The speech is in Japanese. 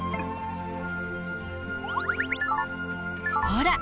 ほら！